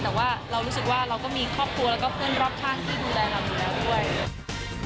แต่ว่าเรารู้สึกว่าเราก็มีครอบครัวแล้วก็เพื่อนรอบข้างที่ดูแลเราอยู่แล้วด้วย